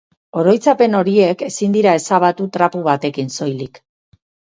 Oroitzapen horiek ezin dira ezabatu trapu batekin soilik.